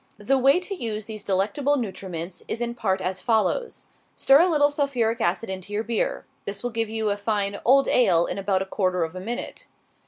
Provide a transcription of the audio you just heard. The way to use these delectable nutriments is in part as follows: Stir a little sulphuric acid into your beer. This will give you a fine "old ale" in about a quarter of a minute.